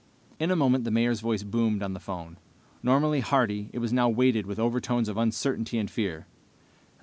In a moment the Mayor's voice boomed on the phone. Normally hearty, it was now weighted with overtones of uncertainty and fear.